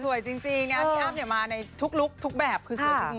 จริงนะพี่อ้ำมาในทุกลุคทุกแบบคือสวยจริง